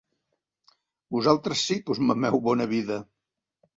Vosaltres sí, que us mameu bona vida!